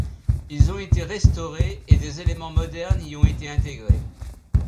Ils ont été restaurés et des éléments modernes y ont été intégrés.